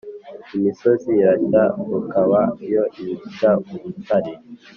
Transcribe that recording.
Imisozi irashya Rukaba yo ntishya-Urutare.